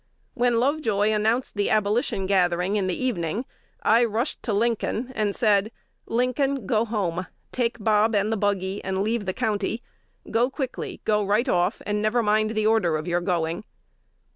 When Lovejoy announced the Abolition gathering in the evening, I rushed to Lincoln, and said, 'Lincoln, go home; take Bob and the buggy, and leave the county: go quickly, go right off, and never mind the order of your going.'